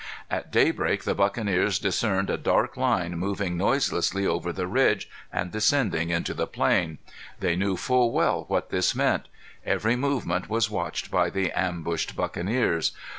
At daybreak the buccaneers discerned a dark line moving noiselessly over the ridge, and descending into the plain. They knew full well what this meant. Every movement was watched by the ambushed buccaneers.